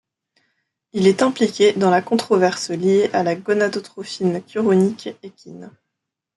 Il est impliqué dans la controverse liée à la gonadotrophine chorionique équine.